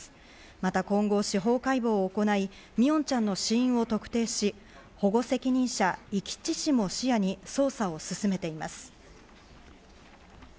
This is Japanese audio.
また今後、司法解剖を行い三櫻音ちゃんの死因を特定し、保護責任者遺棄致死も視野に捜査を進めています。